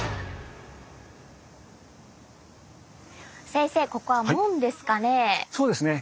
先生ここは門ですかね？